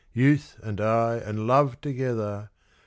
Youth and I and Love together!